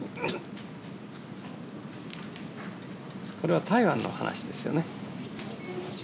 これは台湾のお話ですよね。